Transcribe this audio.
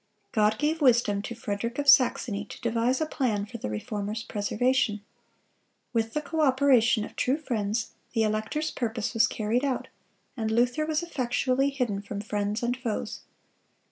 God gave wisdom to Frederick of Saxony to devise a plan for the Reformer's preservation. With the co operation of true friends, the elector's purpose was carried out, and Luther was effectually hidden from friends and foes.